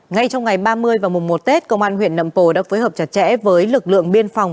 ngay trong ngày ba mươi và mùng một tết công an huyện nậm pồ đã phối hợp chặt chẽ với lực lượng biên phòng